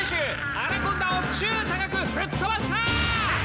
アナコンダを宙高く吹っ飛ばした！